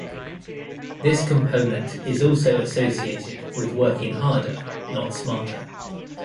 This component is also associated with working harder, not smarter.